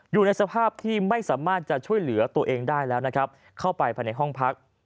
อยู่ในสภาพที่ไม่สามารถจะช่วยเหลือตัวเองได้แล้วนะครับเข้าไปภายในห้องพัก